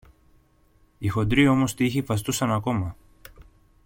Οι χοντροί όμως τοίχοι βαστούσαν ακόμα.